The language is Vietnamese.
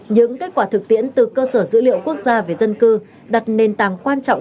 những kết quả thực tiễn từ cơ sở dữ liệu quốc gia về dân cư đặt nền tảng quan trọng